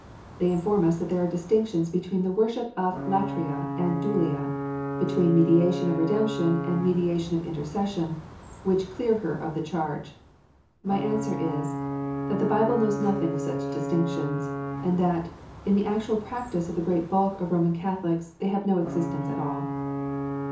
They inform us that there are distinctions between the worship of "latria" and "dulia," between a mediation of redemption, and a mediation of intercession, which clear her of the charge. My answer is, that the Bible knows nothing of such distinctions ; and that, in the actual practice of the great bulk of Roman Catholics, they have no existence at all.